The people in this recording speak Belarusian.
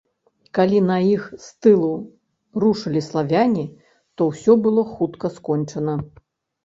Калі на іх з тылу рушылі славяне, то ўсё было хутка скончана.